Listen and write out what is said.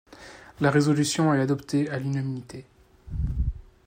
La résolution est adoptée à l’unanimité.